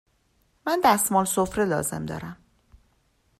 من دستمال سفره لازم دارم.